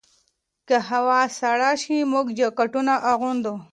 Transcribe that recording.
که هوا سړه شي، موږ جاکټونه اغوندو.